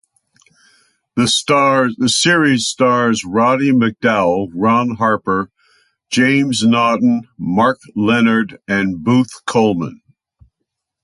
The series stars Roddy McDowall, Ron Harper, James Naughton, Mark Lenard and Booth Colman.